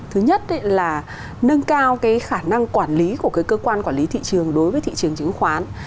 thứ nhất là nâng cao cái khả năng quản lý của cái cơ quan quản lý thị trường đối với thị trường chứng khoán